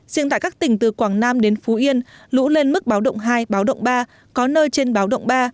riêng tại các tỉnh từ quảng nam đến phú yên lũ lên mức báo động hai báo động ba có nơi trên báo động ba